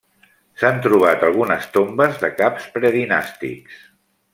S'han trobat algunes tombes de caps predinàstics.